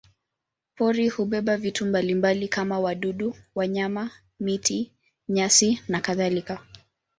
Pori hubeba vitu mbalimbali kama wadudu, wanyama, miti, nyasi nakadhalika.